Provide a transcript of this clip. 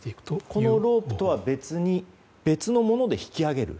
このロープとは別のもので引き上げる？